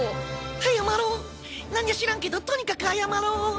謝ろうなんニャ知らんけどとにかく謝ろう。